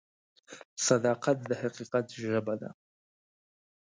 صداقت د حقیقت ژبه ده.